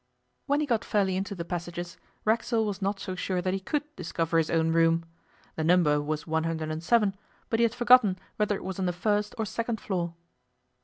When he got fairly into the passages, Racksole was not so sure that he could discover his own room. The number was 107, but he had forgotten whether it was on the first or second floor.